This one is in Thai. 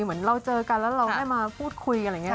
เหมือนเราเจอกันแล้วเราได้มาพูดคุยกันอะไรอย่างนี้